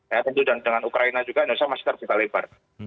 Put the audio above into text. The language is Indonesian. ya tentu dengan ukraina juga indonesia masih terbuka lebar